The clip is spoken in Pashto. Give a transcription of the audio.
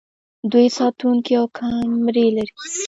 دوی ساتونکي او کمرې لري.